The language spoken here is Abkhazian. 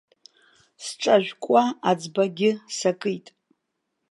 Сҿажәкуа, аӡбагьы сакит.